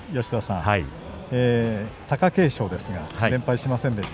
貴景勝ですが連敗しませんでした。